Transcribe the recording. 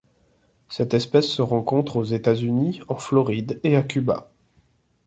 Cette espèce se rencontre aux États-Unis en Floride et à Cuba.